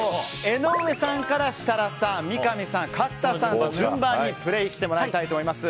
江上さんから設楽さん、三上さん角田さんと順番にプレーしてもらいたいと思います。